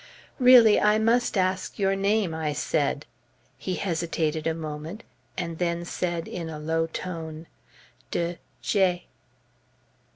"Really I must ask your name," I said. He hesitated a moment and then said in a low tone, "De J